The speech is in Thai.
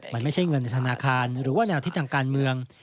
มันไม่ใช่เงินในธนาคารหรือว่าแนวคิดทางการเมือง